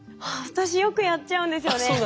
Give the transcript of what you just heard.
あっ私よくやっちゃうんですよね。